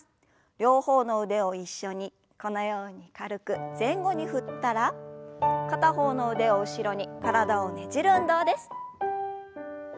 両方の腕を一緒にこのように軽く前後に振ったら片方の腕を後ろに体をねじる運動です。